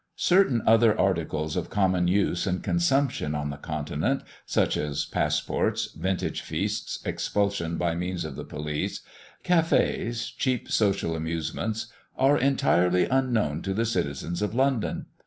Certain other articles of common use and consumption on the Continent, such as passports, vintage feasts, expulsion by means of the police, cafés, cheap social amusements, are entirely unknown to the citizens of London.